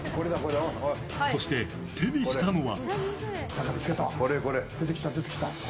そして、手にしたのは。